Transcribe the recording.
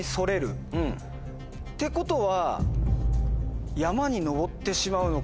ってことは。